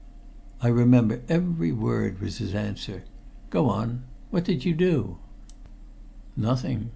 "I remember every word," was his answer. "Go on. What did you do?" "Nothing.